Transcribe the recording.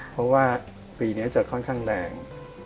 เพราะว่าปีนี้จะค่อนข้างแรง